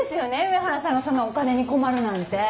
上原さんがそんなお金に困るなんて。